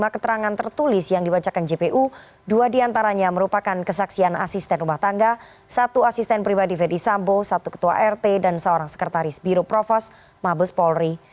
lima keterangan tertulis yang dibacakan jpu dua diantaranya merupakan kesaksian asisten rumah tangga satu asisten pribadi fedy sambo satu ketua rt dan seorang sekretaris biro provos mabes polri